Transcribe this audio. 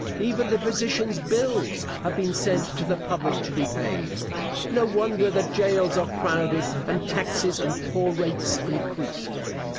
Even the physicians' bills have been sent to the public to be paid. No wonder that jails are crowded, and taxes and poor rates increased.